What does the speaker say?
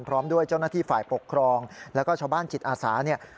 พร้อมด้วยเจ้าหน้าที่ฝ่ายปกครองแล้วก็ชาวบ้านจิตอาสาเนี่ย